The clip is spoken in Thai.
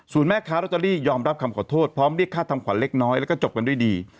แม่ค้ารอตเตอรี่ยอมรับคำขอโทษพร้อมเรียกค่าทำขวัญเล็กน้อยแล้วก็จบกันด้วยดี